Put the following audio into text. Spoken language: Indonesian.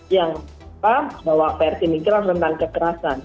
yang bahwa prt migran tentang kekerasan